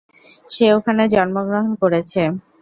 সে ওখানে জন্মগ্রহন করেছে।